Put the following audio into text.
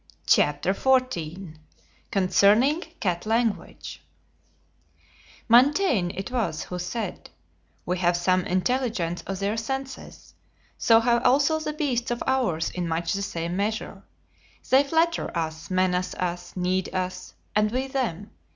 CHAPTER XIV CONCERNING CAT LANGUAGE Montaigne it was who said: "We have some intelligence of their senses: so have also the beasts of ours in much the same measure. They flatter us, menace us, need us, and we them.